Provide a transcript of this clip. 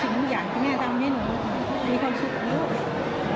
ทุกสิ่งทุกอย่างที่แม่ทำให้หนูให้มีความสุขกับลูก